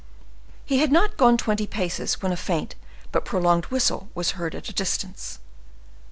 He had not gone twenty paces, when a faint but prolonged whistle was heard at a distance.